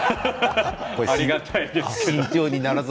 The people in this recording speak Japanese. ありがたいけど。